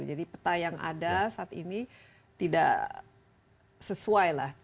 jadi peta yang ada saat ini tidak sesuai lah